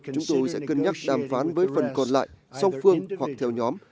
chúng tôi sẽ cân nhắc đàm phán với phần còn lại song phương hoặc theo nhóm